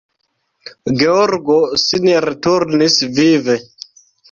Georgo sin returnis vive.